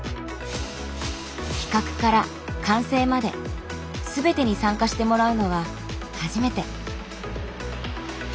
企画から完成まで全てに参加してもらうのは初めて。